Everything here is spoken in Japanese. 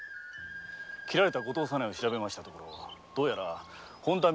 切られた後藤左内を調べましたところ本多